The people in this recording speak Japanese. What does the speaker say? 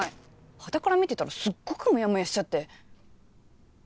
はたから見てたらすっごくモヤモヤしちゃって。